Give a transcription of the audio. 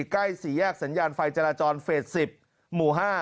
ใกล้สี่แยกสัญญาณไฟจราจรเฟส๑๐หมู่๕